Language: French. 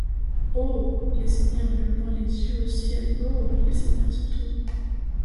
Oh ! les seigneursLevant les yeux au cielOh ! les seigneurs surtout !